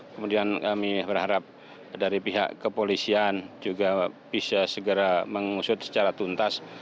kemudian kami berharap dari pihak kepolisian juga bisa segera mengusut secara tuntas